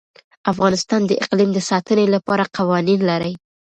افغانستان د اقلیم د ساتنې لپاره قوانین لري.